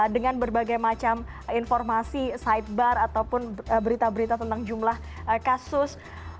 dengan berbagai macam informasi sidebar ataupun berita berita tentang jumlah kasus